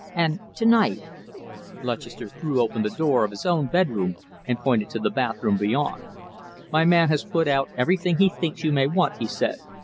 And to night " Lutchester threw open the door of his own bedroom and pointed to the bathroom beyond. "My man has put out everything he thinks you may want," he said.